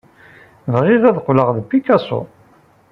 Bɣiɣ ad qqleɣ d Picasso.